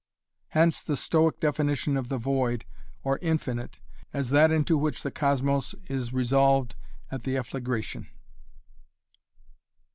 Hence the Stoic definition of the Void or Infinite as that into which the cosmos is resolved at the efflagration.